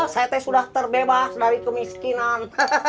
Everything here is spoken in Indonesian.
saya teh sudah terbebas dari kemiskinan